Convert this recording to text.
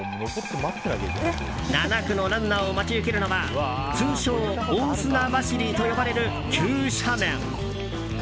７区のランナーを待ち受けるのは通称、大砂走りと呼ばれる急斜面。